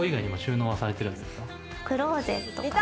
クローゼットかな。